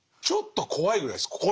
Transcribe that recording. ちょっと怖いぐらいです